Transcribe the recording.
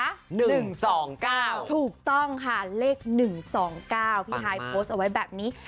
พี่แจ๊กจ๋า๑๒๙ถูกต้องค่ะเลข๑๒๙พี่ท้ายโพสต์เอาไว้แบบนี้